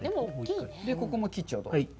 ここも切っちゃうと。